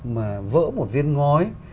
mà vỡ một viên ngói